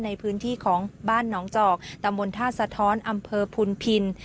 ในพื้นที่ของบ้านหนองจอกตำบลท่าสะท้อนอำเภอพุนพิน